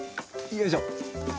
よいしょ。